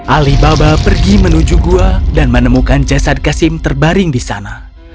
alibaba pergi menuju gua dan menemukan jasad kasim terbaring di sana